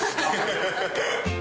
ハハハッ。